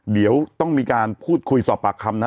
เดี๋ยวต้องมีการพูดคุยสอบปากคำนะ